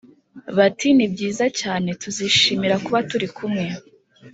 Bati Ni byiza cyane Tuzishimira kuba turi kumwe